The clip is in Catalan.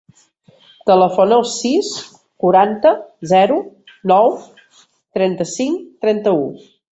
Telefona al sis, quaranta, zero, nou, trenta-cinc, trenta-u.